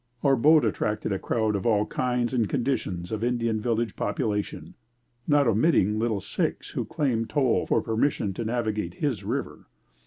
Our boat attracted a crowd of all kinds and conditions of Indian village population, not omitting Little Six who claimed toll for permission to navigate his river.